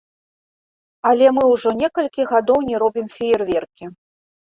Але мы ўжо некалькі гадоў не робім феерверкі.